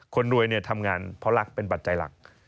คนรวยทำงานเพราะรักเป็นปัจจัยหลัก